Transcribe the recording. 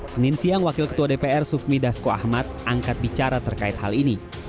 senin siang wakil ketua dpr sufmi dasko ahmad angkat bicara terkait hal ini